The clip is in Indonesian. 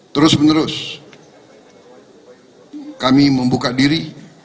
terus menerus kami membuka diri